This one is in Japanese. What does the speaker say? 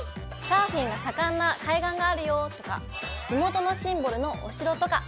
サーフィンが盛んな海岸があるよとか地元のシンボルのお城とか。